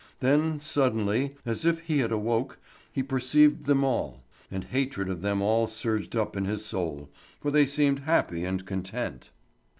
Then, suddenly, as if he had awoke, he perceived them all; and hatred of them all surged up in his soul, for they seemed happy and content.